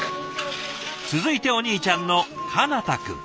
続いてお兄ちゃんの叶大くん。